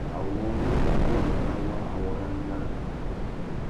Awôrrô kúkúangâ wa awôrandzara.